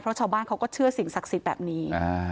เพราะชาวบ้านเขาก็เชื่อสิ่งศักดิ์สิทธิ์แบบนี้